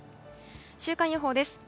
週間予報です。